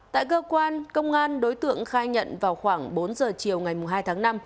tại cơ quan công an đối tượng khai nhận vào khoảng bốn giờ chiều ngày hai tháng năm